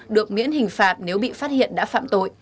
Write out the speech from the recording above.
được miễn hình phạt nếu bị phát hiện đã phạm tội